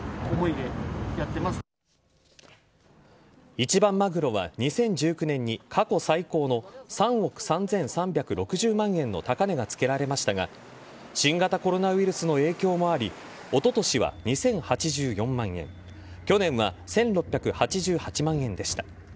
一番マグロは２０１９年に過去最高の３億３３６０万円の高値がつけられましたが新型コロナウイルスの影響もありおととしは２０８４万円去年は１６８８万円でした。